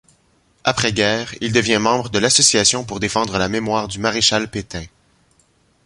Après-guerre, il devient membre de l'Association pour défendre la mémoire du maréchal Pétain.